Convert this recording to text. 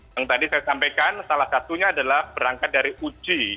yang tadi saya sampaikan salah satunya adalah berangkat dari uji